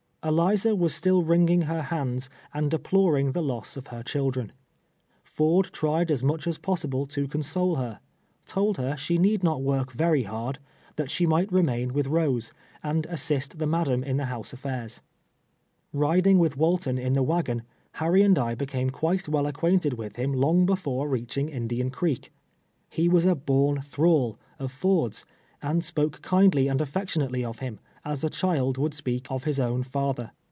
Eliza was still ringing her hands and deploring the loss of her children. Ford tried as much as possible to console her — told her she need not woi k vei y hard ; that she might remain with Rose, and assist the mad am in the lunise alfairs. Riding with A\'alton in the wagon, Ilariy and I be came quite well acquainted with him long before reaching Indian Creek. He was a "born thrall" of Ford's, and spoke kindly and affectionately of him, as a child Would speak of his own father.